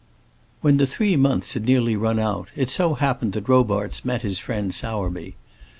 When the three months had nearly run out, it so happened that Robarts met his friend Sowerby.